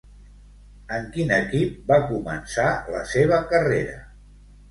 En quin equip va començar la seva carrera?